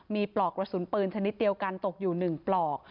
มีปลอกกระสุนปืนชนิดเดียวกันตกอยู่๑ปลอก